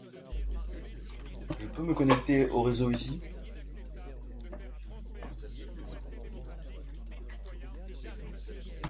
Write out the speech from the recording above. Je peux me connecter au réseau ici ?